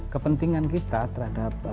kepentingan kita terhadap